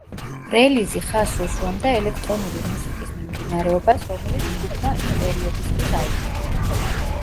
რელიზი ხაზს უსვამდა ელექტრონული მუსიკის მიმდინარეობას რომელიც ჯგუფმა იმ პერიოდისთვის აირჩია.